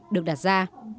được đặt ra